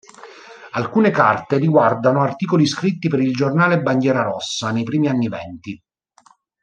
Alcune carte riguardano articoli scritti per il giornale "Bandiera Rossa" nei primi anni Venti.